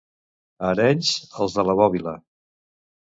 A Arenys, els de la bòbila.